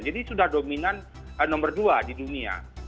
jadi sudah dominan nomor dua di dunia